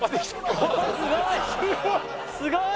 すごい！